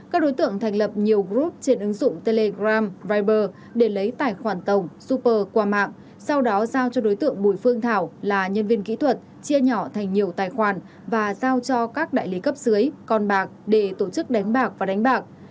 các đối tượng thành lập nhiều group trên ứng dụng telegram riber để lấy tài khoản tổng super qua mạng sau đó giao cho đối tượng bùi phương thảo là nhân viên kỹ thuật chia nhỏ thành nhiều tài khoản và giao cho các đại lý cấp dưới con bạc để tổ chức đánh bạc và đánh bạc